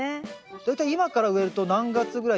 大体今から植えると何月ぐらいに収穫ですか？